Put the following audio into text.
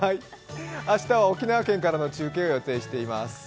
明日は沖縄県からの中継を予定しています。